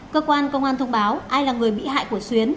cơ quan công an thông báo ai là người bị hại của xuyến